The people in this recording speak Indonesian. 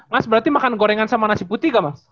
mas berarti makan gorengan sama nasi putih gak mas